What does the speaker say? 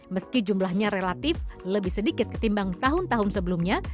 meski jumlahnya relatif lebih sedikit ketimbang tahun tahun sebelumnya